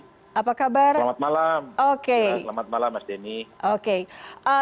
selamat malam mas denny